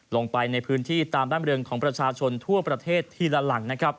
ลงไปในพื้นที่ตามบ้านบริเวณของประชาชนทั่วประเทศทีละหลัง